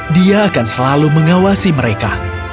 dia akan selalu mengawasi mereka